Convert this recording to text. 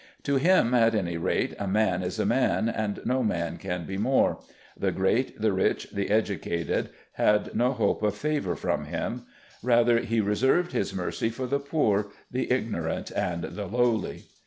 To him, at any rate, a man is a man, and no man can be more; the great, the rich, the educated, had no hope of favour from him; rather he reserved his mercy for the poor, the ignorant, and the lowly....